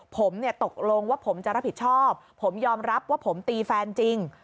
ผมเนี่ยตกลงว่าผมจะรับผิดชอบผมยอมรับว่าผมตีแฟนจริง